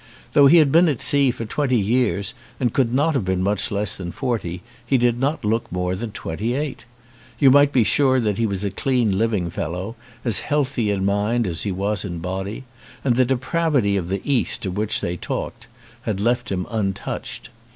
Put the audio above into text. Though he had been at sea for twenty years and could not have been much less than forty he did not look more than twenty eight. You might be sure that he was a clean living fellow, as healthy in mind as he was in body, and the depravity of the East of which they talk had left him untouched.